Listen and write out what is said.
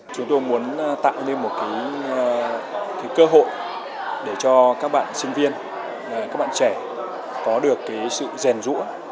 chúng tôi muốn tạo nên một cơ hội để cho các bạn sinh viên các bạn trẻ có được sự rèn rũa